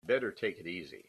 You'd better take it easy.